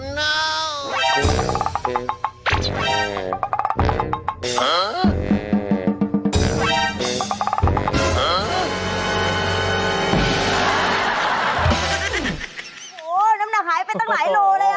น้ำหนักหายไปตั้งหลายโลเลย